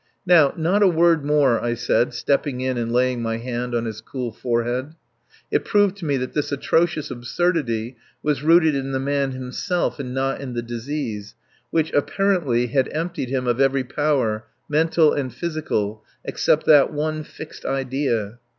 "Now, not a word more," I said, stepping in and laying my hand on his cool forehead. It proved to me that this atrocious absurdity was rooted in the man himself and not in the disease, which, apparently, had emptied him of every power, mental and physical, except that one fixed idea.